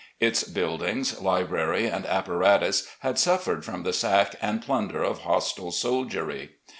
Its buildings, library, and apparatus had suffered from the sack and plunder of hostile soldiery.